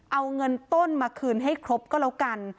เอาเงินต้นมาคืนให้ครบก็แล้วกัน